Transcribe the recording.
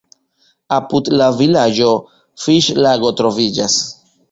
Apud la vilaĝo fiŝlago troviĝas.